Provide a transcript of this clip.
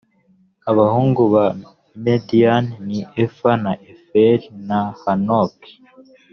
abahungu ba midiyani ni efa na eferi na hanoki